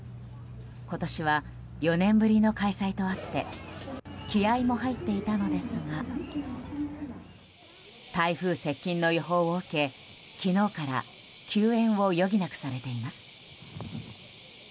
今年は４年ぶりの開催とあって気合も入っていたのですが台風接近の予報を受け昨日から休園を余儀なくされています。